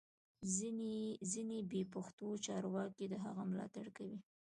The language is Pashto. ځینې بې پښتو چارواکي د هغه ملاتړ کوي